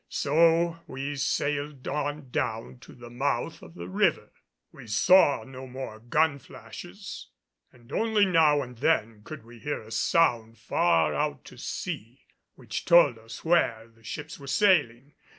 So we sailed on down to the mouth of the river. We saw no more gun flashes and only now and then could we hear a sound far out to sea which told us where the ships were sailing.